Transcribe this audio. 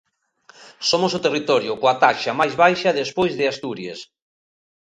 Somos o territorio coa taxa máis baixa despois de Asturies.